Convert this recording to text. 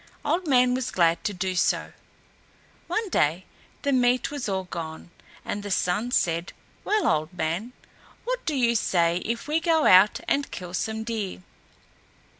Old Man was glad to do so. One day the meat was all gone, and the Sun said, "Well, Old Man, what do you say if we go out and kill some deer?"